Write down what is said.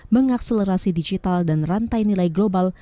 mengakselerasi digital dan rantai nilai global